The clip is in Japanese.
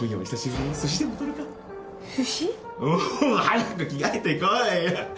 早く着替えてこい。